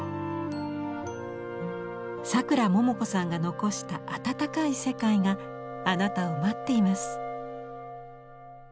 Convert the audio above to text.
さくらももこさんが残した温かい世界があなたを待っています。